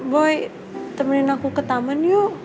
boy temenin aku ke taman yuk